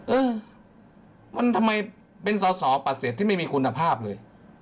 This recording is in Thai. เออมันทำไมเป็นสอสอปฏิเสธที่ไม่มีคุณภาพเลย